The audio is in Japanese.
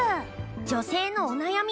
女性のお悩み